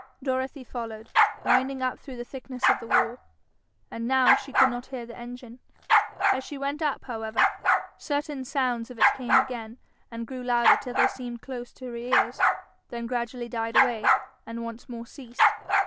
Dorothy followed, winding up through the thickness of the wall. And now she could not hear the engine. As she went up, however, certain sounds of it came again, and grew louder till they seemed close to her ears, then gradually died away and once more ceased.